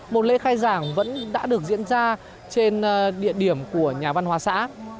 một lễ khai giảng vẫn đã được diễn ra trên địa điểm của nhà văn hóa xã